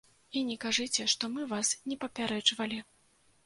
І не кажыце, што мы вас не папярэджвалі.